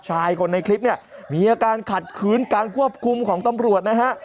ชายคนในคลิปเนี่ยมีอาการขัดขืนการควบคุมของตำรวจนะฮะ